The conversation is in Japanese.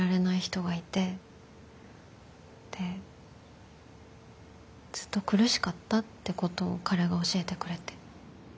でずっと苦しかったってことを彼が教えてくれて。